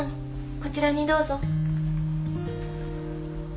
こちらにどうぞ。